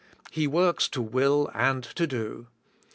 He works to will and to do.